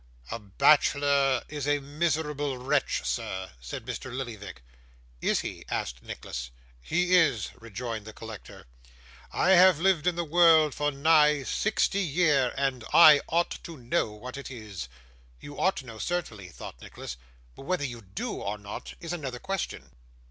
'A bachelor is a miserable wretch, sir,' said Mr. Lillyvick. 'Is he?' asked Nicholas. 'He is,' rejoined the collector. 'I have lived in the world for nigh sixty year, and I ought to know what it is.' 'You OUGHT to know, certainly,' thought Nicholas; 'but whether you do or not, is another question.